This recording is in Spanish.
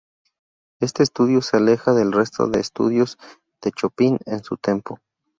Este estudio se aleja del resto de Estudios de Chopin en su tempo.